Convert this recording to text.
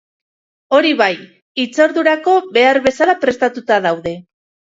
Hori bai, hitzordurako behar bezala prestatuta daude.